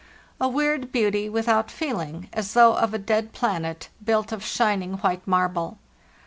A weird beauty, without feeling, as though of a dead planet, built of shining white marble.